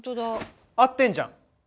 合ってんじゃん！